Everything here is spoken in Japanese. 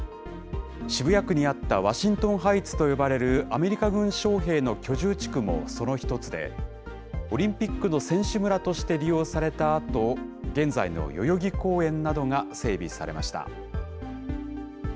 渋谷区にあったワシントンハイツと呼ばれるアメリカ軍将兵の居住地区もその一つで、オリンピックの選手村として利用されたあと、現在の代々木公園などが整備されました。